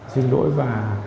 xin lỗi và